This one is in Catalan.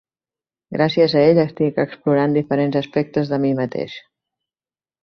Gràcies a ell, estic explorant diferents aspectes de mi mateix.